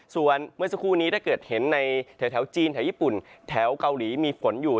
ส่วนเมื่อสักครู่นี้ถ้าเกิดเห็นในแถวจีนแถวญี่ปุ่นแถวเกาหลีมีฝนอยู่